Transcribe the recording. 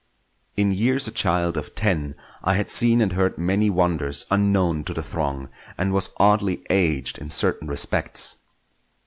In years a child of ten, I had seen and heard many wonders unknown to the throng; and was oddly aged in certain respects.